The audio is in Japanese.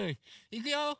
いくよ！